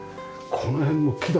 この辺も木だ。